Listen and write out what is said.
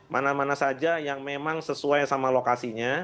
mana mana saja yang memang sesuai sama lokasinya